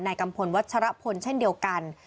กัมพลวัชรพลเช่นเดียวกัน